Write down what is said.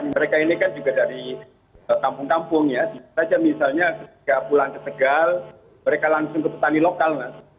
mereka ini kan juga dari kampung kampung ya bisa saja misalnya ketika pulang ke tegal mereka langsung ke petani lokal